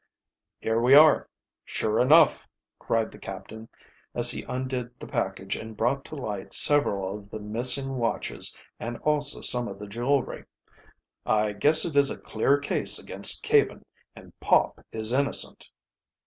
"Here we are, sure enough!" cried the captain, as he undid the package and brought to light several of the missing watches and also some of the jewelry. "I guess it is a clear case against Caven, and Pop is innocent."